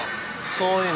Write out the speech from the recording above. そういうの。